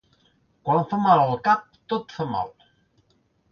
Quan fa mal el cap, tot fa mal.